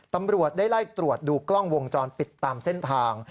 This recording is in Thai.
ตำรวจได้ไล่ตรวจดูกล้องวงจรปิดตามเส้นทาง